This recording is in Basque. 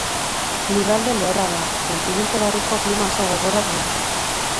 Lurralde lehorra da, kontinente barruko klima oso gogorra duena.